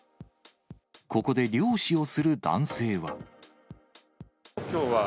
ここで漁師をする男性は。